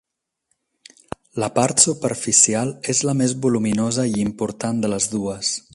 La part superficial és la més voluminosa i important de les dues.